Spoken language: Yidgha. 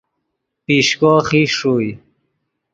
پیشکو خیش ݰوئے